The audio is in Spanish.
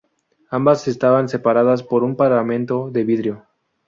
Ambas estaban separadas por un paramento de vidrio.